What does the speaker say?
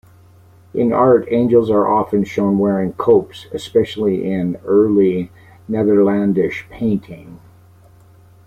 In art, angels are often shown wearing copes, especially in Early Netherlandish painting.